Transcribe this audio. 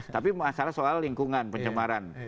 tapi masalah soal lingkungan pencemaran